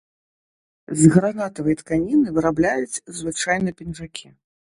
З гранатавай тканіны вырабляюць звычайна пінжакі.